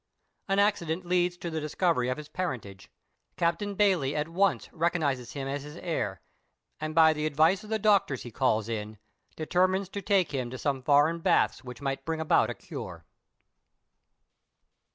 An accident leads to the discovery of his parentage. Captain Bayley at once recognizes him as his heir, and by the advice of the doctors he calls in determines to take him to some foreign baths which might bring about a cure.